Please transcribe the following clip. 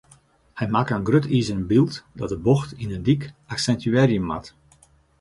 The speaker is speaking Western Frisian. Hy makke in grut izeren byld dat de bocht yn in dyk aksintuearje moat.